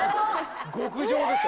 極上でしょ。